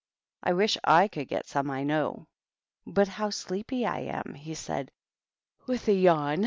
I wish / could get some, I know. But how sleepy I am!" he said, with a yawn.